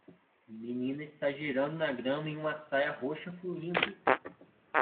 Menina está girando na grama em uma saia roxa fluindo